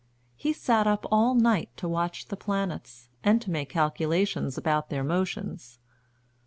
He sat up all night to watch the planets, and to make calculations about their motions.